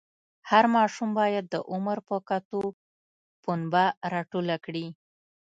هر ماشوم باید د عمر په کتو پنبه راټوله کړي.